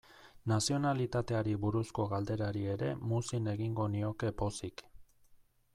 Nazionalitateari buruzko galderari ere muzin egingo nioke pozik.